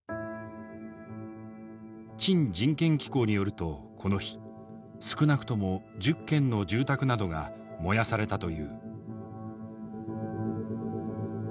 チン人権機構によるとこの日少なくとも１０軒の住宅などが燃やされたという。